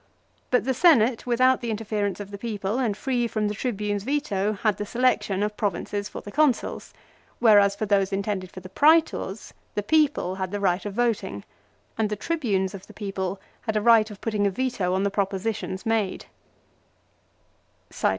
But the Senate without the interference of the people and free from the Tribunes' veto, had the selection of provinces for the Consuls; whereas for those intended for the Praetors, the people had the right of voting, and the Tribunes of the people had a right of putting a veto on the propositions made.